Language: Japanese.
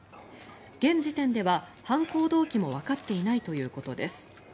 現時点では犯行動機もわかっていないということです。